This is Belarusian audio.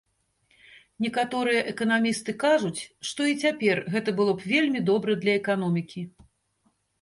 Некаторыя эканамісты кажуць, што і цяпер гэта было б вельмі добра для эканомікі.